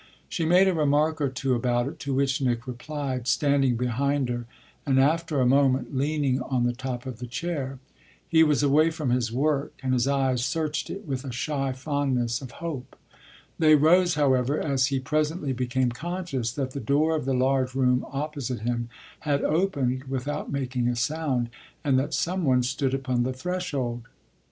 She made a remark or two about it, to which Nick replied, standing behind her and after a moment leaning on the top of the chair. He was away from his work and his eyes searched it with a shy fondness of hope. They rose, however, as he presently became conscious that the door of the large room opposite him had opened without making a sound and that some one stood upon the threshold.